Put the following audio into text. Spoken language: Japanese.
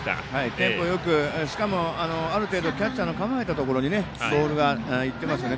テンポよく、しかもある程度キャッチャーの構えたところにボールがいってますよね。